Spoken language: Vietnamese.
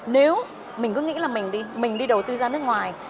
nếu mình cứ nghĩ là mình đi đầu tư ra nước ngoài